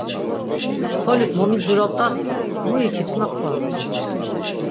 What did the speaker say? Tolik momidziropt̆as do mu ikipsna qvas.